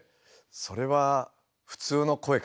それは普通の声かな？